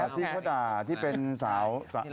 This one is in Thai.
ที่เขาด่าที่เป็นสาวอะไรนะเป็น